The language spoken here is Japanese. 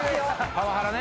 パワハラね。